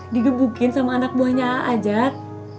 digebukin sama anak buahnya ajat